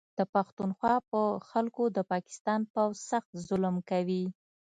د پښتونخوا په خلکو د پاکستان پوځ سخت ظلم کوي